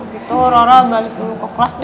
gitu rara balik dulu ke kelas deh